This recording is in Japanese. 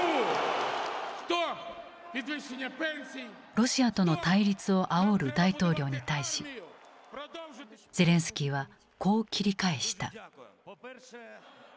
ロシアとの対立をあおる大統領に対しゼレンスキーはこう切り返した。